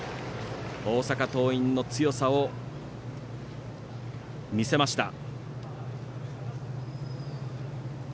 大阪桐蔭の強さを見せました。